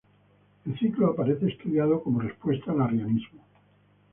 El ciclo aparece estudiado como respuesta al arrianismo.